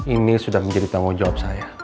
ini sudah menjadi tanggung jawab saya